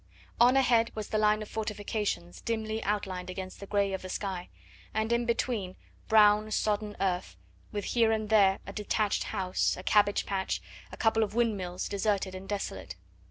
On ahead was the line of fortifications dimly outlined against the grey of the sky, and in between brown, sodden earth, with here and there a detached house, a cabbage patch, a couple of windmills deserted and desolate.